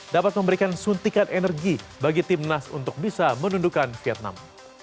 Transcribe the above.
dapat memberikan suntikan energi bagi timnas untuk bisa menundukan vietnam